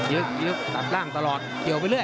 หลับร่างตลอดเกี่ยวไปเลย